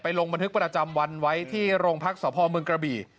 ลงบันทึกประจำวันไว้ที่โรงพักษพเมืองกระบี่